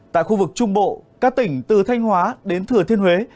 tại khu vực trung bộ các tỉnh từ thanh hóa đến thừa thiên huế